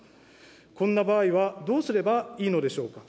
こんな場合は、どうすればいいのでしょうか。